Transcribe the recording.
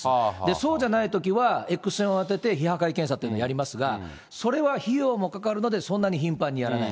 そうじゃないときは、エックス線を当てて非破壊検査というのをやりますが、それは費用もかかりますので、そんなに頻繁にやらない。